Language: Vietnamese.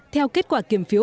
theo kết quả kiểm phiếu